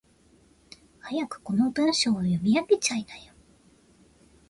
早くこの文章を読み上げちゃいなよ。